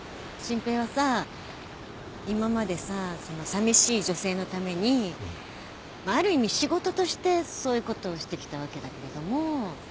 さみしい女性のためにまあある意味仕事としてそういうことをしてきたわけだけれども。